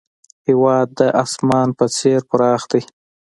هېواد د اسمان په څېر پراخ دی.